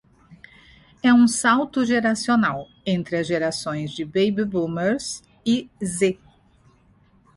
É um salto geracional, entre as gerações de Baby Boomers e Z